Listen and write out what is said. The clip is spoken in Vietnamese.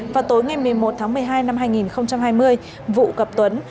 vào tối ngày một mươi một tháng một mươi hai năm hai nghìn hai mươi vũ gặp tuấn